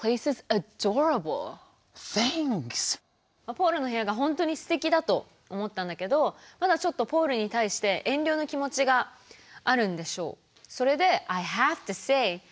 ポールの部屋が本当にすてきだと思ったんだけどまだちょっとポールに対して遠慮の気持ちがあるんでしょう。